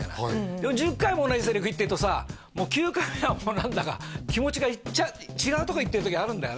でも１０回も同じセリフ言ってるとさもう９回目は何だか気持ちが違うとこ行ってる時あるんだよね